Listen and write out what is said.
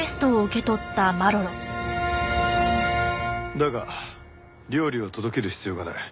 だが料理を届ける必要がない。